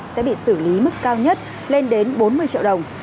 sẽ bị xử lý mức cao nhất lên đến bốn mươi triệu đồng